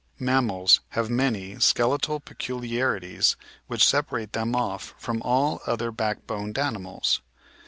Mammals have many skeletal peculiarities which separate them off from all other backboned animals.